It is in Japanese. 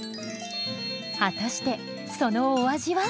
果たしてそのお味は？